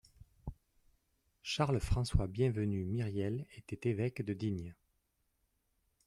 Charles-François-Bienvenu Myriel était évêque de Digne.